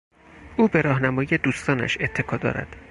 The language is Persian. او به راهنمایی دوستانش اتکا دارد.